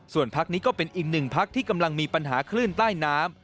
ส่วนพักนี้ก็เป็นอีกหนึ่งพักที่กำลังมีปัญหาคลื่นใต้น้ำ